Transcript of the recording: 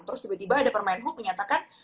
terus tiba tiba ada permainan huk menyatakan